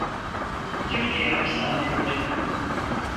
Türkiye hapishaneleri...